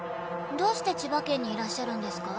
「どうして千葉県にいらっしゃるんですか」